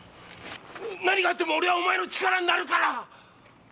何があっても俺はお前の力になるから！